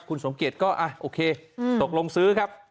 คุณสมเกียจก็โอเคตกลงซื้อครับ